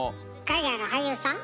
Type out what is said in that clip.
海外の俳優さん？